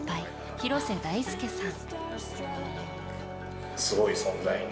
廣瀬大輔さん。